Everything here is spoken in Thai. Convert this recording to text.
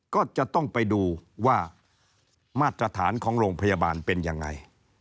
ก็จะต้องไปดูว่ามาตรฐานของโรงพยาบาลเป็นยังไง